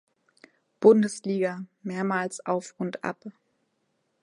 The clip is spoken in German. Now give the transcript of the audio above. Bundesliga mehrmals auf und ab.